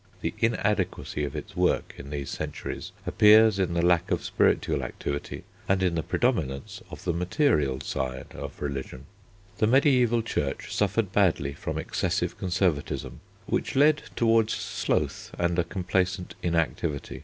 The inadequacy of its work in these centuries appears in the lack of spiritual activity and in the predominance of the material side of religion. The mediæval Church suffered badly from excessive conservatism, which led towards sloth and a complacent inactivity.